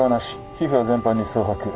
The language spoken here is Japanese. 皮膚は全般に蒼白。